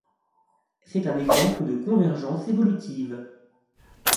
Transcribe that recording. C'est un exemple de convergence évolutive.